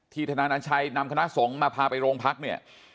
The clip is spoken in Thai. ธนาชัยนำคณะสงฆ์มาพาไปโรงพักเนี่ย